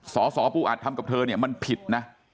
สสปูอัดทำกับเธอเนี่ยมันผิดนะ